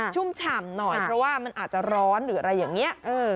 ุ่มฉ่ำหน่อยเพราะว่ามันอาจจะร้อนหรืออะไรอย่างนี้